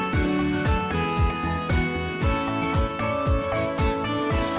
ยินดีมากครู